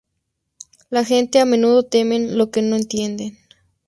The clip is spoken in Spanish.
La gente a menudo temen lo que no entienden.